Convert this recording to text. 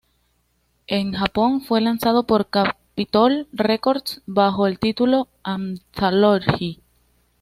En Japón fue lanzado por Capitol Records bajo el título de "Anthology"..